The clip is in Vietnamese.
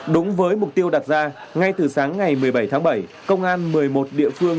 đúng với mục tiêu đặt ra ngay từ sáng ngày một mươi bảy tháng bảy công an một mươi một địa phương